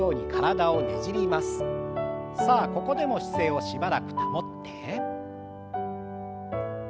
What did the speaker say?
さあここでも姿勢をしばらく保って。